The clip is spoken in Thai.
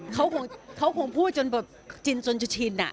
เขาคงพูดจนจนจนชิน